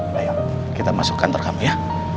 baiklah kita masuk ke kantor kamu ya